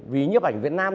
vì nhiếp ảnh việt nam